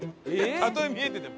たとえ見えてても？